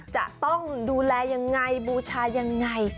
จะต้องดูแลยังไงบูชายังไง